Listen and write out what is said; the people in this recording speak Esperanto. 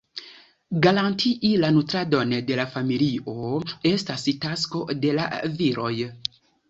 Garantii la nutradon de la familio estas tasko de la viroj.